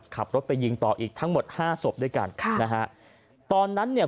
ขับรถไปยิงต่ออีกทั้งหมดห้าศพด้วยกันค่ะนะฮะตอนนั้นเนี่ย